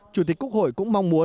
chủ tịch quốc hội cũng mong muốn